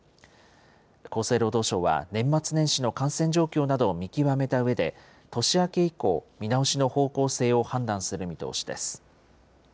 厚生労働省は、年末年始の感染状況などを見極めたうえで、年明け以降、見直しの方向性を判断する見通しです。